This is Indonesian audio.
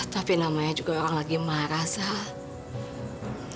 tapi namanya juga orang lagi marah sama